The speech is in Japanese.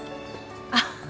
あっ。